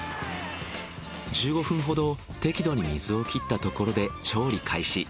１５分ほど適度に水を切ったところで調理開始。